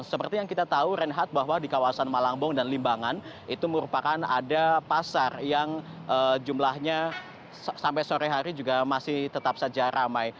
seperti yang kita tahu renhat bahwa di kawasan malangbong dan limbangan itu merupakan ada pasar yang jumlahnya sampai sore hari juga masih tetap saja ramai